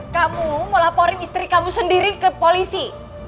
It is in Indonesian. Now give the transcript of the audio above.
kamu mau laporin istri kamu sendiri ke polisi